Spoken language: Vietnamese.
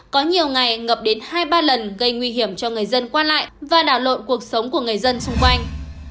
có nhiều ngày ngập đến hai ba lần gây nguy hiểm cho người dân qua lại và đảo lộn cuộc sống của người dân xung quanh